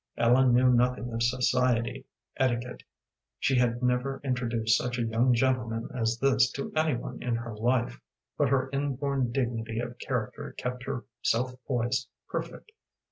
Ellen knew nothing of society etiquette, she had never introduced such a young gentleman as this to any one in her life, but her inborn dignity of character kept her self poise perfect.